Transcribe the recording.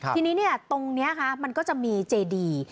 ทีนี้ตรงนี้มันก็จะมีเจดี